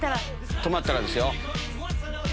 止まったらですよ。